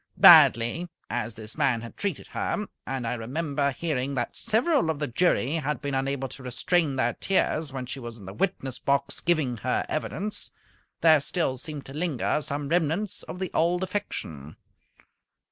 Badly as this man had treated her and I remember hearing that several of the jury had been unable to restrain their tears when she was in the witness box giving her evidence there still seemed to linger some remnants of the old affection.